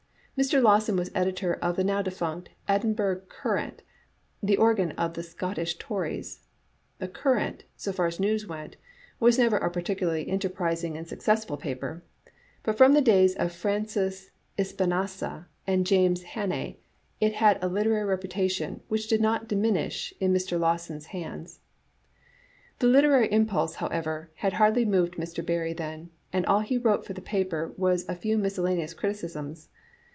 Mr. Lawson was editor of the now defunct Edinburgh <:ourant, the organ of the Scottish Tories. The Cou rant, so far as news went, was never a particularly en terprising and successful paper, but from the days of Francis Espinasse and James Hannay it had a literary reputation, which did not diminish in Mr. Lawson's Digitized by VjOOQ IC 9* A* JSartfe* zr hands. The literary impulse, however, had hardly moved Mr. Barrie then, and all he wrote for the paper was a few miscellaneous criticisms.